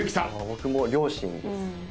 僕も両親です。